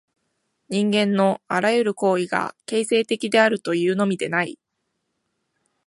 人間のあらゆる行為が形成的であるというのみでない。